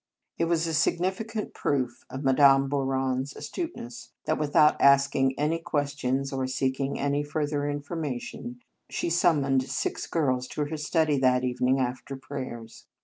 It was a significant proof of Madame 26 Marianus Bouron s astuteness that, without ask ing any questions, or seeking any fur ther information, she summoned six girls to her study that evening after prayers.